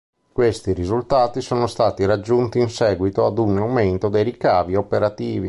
Questi risultati sono stati raggiunti in seguito ad un aumento dei ricavi operativi.